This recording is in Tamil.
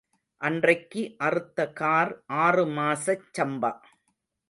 அன்றைக்கு அறுத்த கார் ஆறு மாசச் சம்பா.